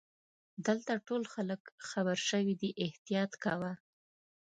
دلته ټول خلګ خبرشوي دي احتیاط کوه.